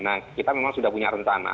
nah kita memang sudah punya rencana